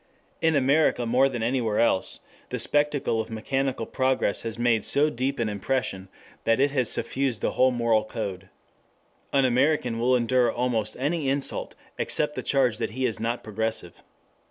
In America more than anywhere else, the spectacle of mechanical progress has made so deep an impression, that it has suffused the whole moral code. An American will endure almost any insult except the charge that he is not progressive.